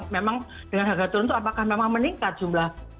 memang dengan harga turun itu apakah memang meningkat jumlah